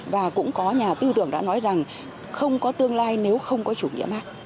và cũng có nhà tư tưởng đã nói rằng không có tương lai nếu không có chủ nghĩa mark